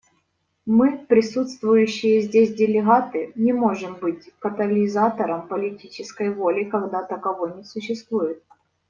Мы, присутствующие здесь делегаты, не можем быть катализатором политической воли, когда таковой не существует.